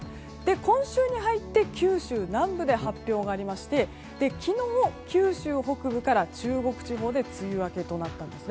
今週に入って九州南部で発表があり、昨日九州北部から中国地方で梅雨明けとなったんです。